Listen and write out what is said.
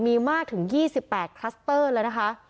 มีมากถึง๒๘คลัสเตอร์แล้วนะคะ